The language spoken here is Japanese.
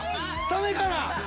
サメかな？